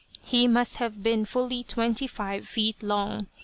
He must have been fully twenty five feet long.